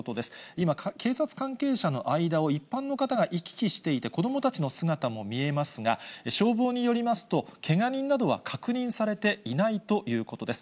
今、警察関係者の間を一般の方が行き来していて、子どもたちの姿も見えますが、消防によりますと、けが人などは確認されていないということです。